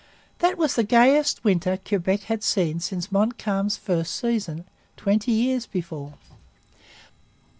That was the gayest winter Quebec had seen since Montcalm's first season, twenty years before.